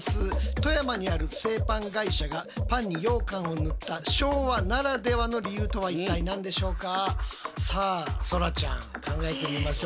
富山にある製パン会社がパンにようかんを塗った昭和ならではの理由とは一体何でしょうか？